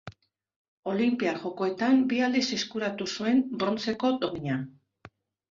Olinpiar Jokoetan bi aldiz eskuratu zuen brontzeko domina.